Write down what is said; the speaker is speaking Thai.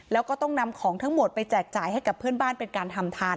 แล้วก็ต้องนำของทั้งหมดไปแจกจ่ายให้กับเพื่อนบ้านเป็นการทำทาน